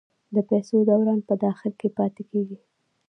د پیسو دوران په داخل کې پاتې کیږي؟